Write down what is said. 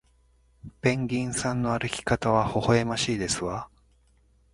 ペンギンさんの歩き方はほほえましいですわ